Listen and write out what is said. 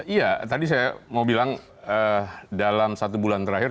iya tadi saya mau bilang dalam satu bulan terakhir